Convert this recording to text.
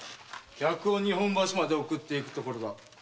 客を日本橋まで送って行くところだ。